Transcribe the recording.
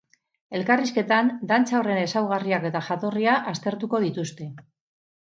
Elkarrizketan, dantza horren ezaugarriak eta jatorria aztertuko dituzte.